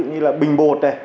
ví dụ như là bình bột này